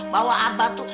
bahwa abah tuh